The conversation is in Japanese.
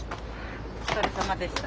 お疲れさまでした。